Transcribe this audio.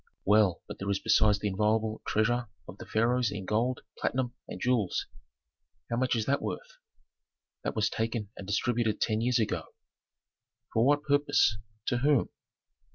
"Well, but there is besides the inviolable treasure of the pharaohs in gold, platinum, and jewels; how much is that worth?" "That was taken and distributed ten years ago." "For what purpose? To whom?"